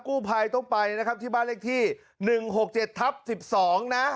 กู้ภัยต้องไปนะครับที่บ้านเลขที่หนึ่งหกเจ็ดทับสิบสองนะ